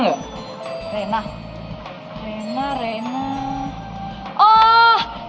mungkin cuma kebiasaan